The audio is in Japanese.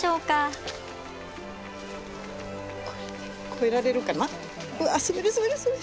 越えられるかな？